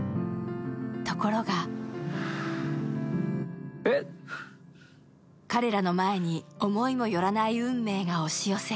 ところが、彼らの前に思いもよらない運命が押し寄せる。